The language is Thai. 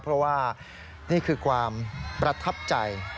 เพราะว่านี่คือความประทับใจ